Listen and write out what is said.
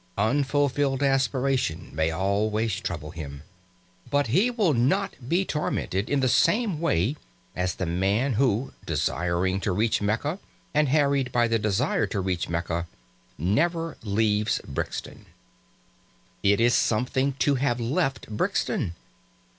Unfulfilled aspiration may always trouble him. But he will not be tormented in the same way as the man who, desiring to reach Mecca, and harried by the desire to reach Mecca, never leaves Brixton. It is something to have left Brixton.